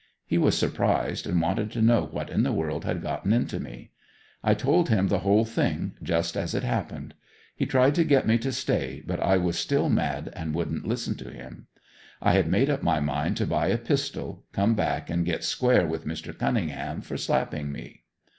He was surprised and wanted to know what in the world had gotten into me. I told him the whole thing, just as it happened. He tried to get me to stay but I was still mad and wouldn't listen to him. I had made up my mind to buy a pistol, come back and get square with Mr. Cunningham for slapping me.